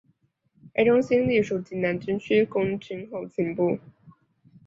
该中心隶属济南军区空军后勤部。